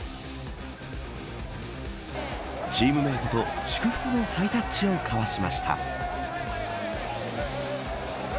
チームメートと祝福のハイタッチを交わしました。